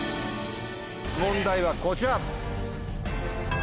問題はこちら。